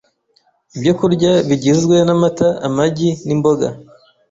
Ibyokurya bigizwe n’amata, amagi n’imboga